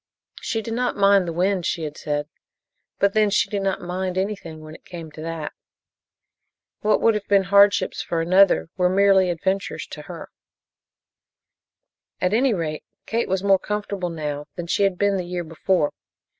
She did not mind the wind, she had said, but then she did not "mind" anything, when it came to that. What would have been hardships for another were merely adventures to her. At any rate, Kate was more comfortable now than she had been the year before.